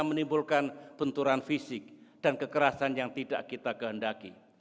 menimbulkan benturan fisik dan kekerasan yang tidak kita kehendaki